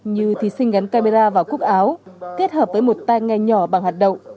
như thí sinh gắn camera vào cúp áo kết hợp với một tay nghe nhỏ bằng hoạt động